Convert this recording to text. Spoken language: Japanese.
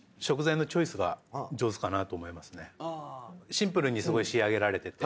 シンプルにすごい仕上げられてて。